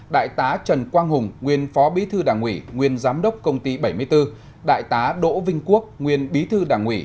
đại tá trần quang hùng nguyên phó bí thư đảng ủy nguyên giám đốc công ty bảy mươi bốn đại tá đỗ vinh quốc nguyên bí thư đảng ủy